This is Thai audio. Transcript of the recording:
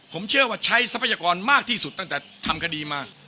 ผมเชื่อว่าใช้ทรัพยากรมากที่สุดตั้งแต่ทำคดีมา